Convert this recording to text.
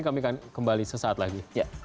kami akan kembali sesaat lagi